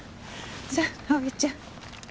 さあ蒼ちゃん。